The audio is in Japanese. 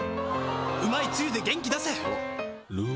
うまいつゆで元気出せ！